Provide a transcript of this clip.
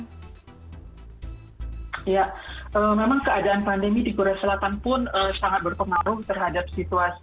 bagaimana kemudian di korea selatan sendiri mengenai pandemi dan juga pariwisatanya yang sampai sekarang ternyata masih menutup pintu untuk para wisatawan